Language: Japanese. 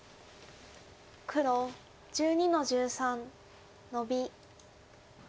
黒１２の十三ノビ。